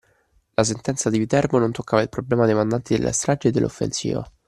La sentenza di Viterbo non toccava il problema dei mandanti della strage e dell'offensiva